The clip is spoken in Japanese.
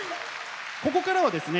ここからはですね